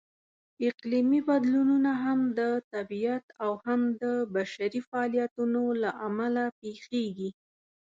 اقلیمي بدلونونه هم د طبیعت او هم د بشري فعالیتونو لهامله پېښېږي.